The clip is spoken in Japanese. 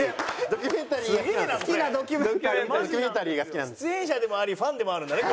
出演者でもありファンでもあるんだね